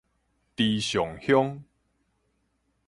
池上鄉